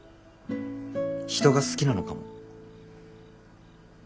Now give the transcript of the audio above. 人が好きなのかも。